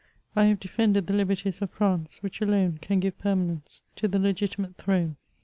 I have defended the liberties of France, which alone can give permanence to the legitimate throne.